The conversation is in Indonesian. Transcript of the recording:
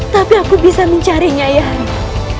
tapi aku bisa mencarinya ayah handa